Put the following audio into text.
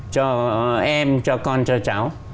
cho em cho con cho cháu